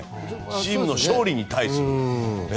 チームの勝利に対する。